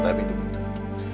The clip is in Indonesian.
tapi itu betul